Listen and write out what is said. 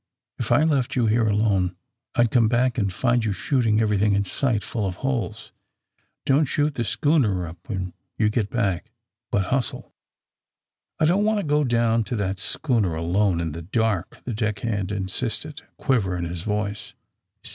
If I left you here alone I'd come back and find yon shooting every thing in sight full of holes. Don't shoot the schooner up when you get back, but hustle." ^^I don't want to go down to that schooner alone in the dark," the deck hand insisted, a quiver in his voice.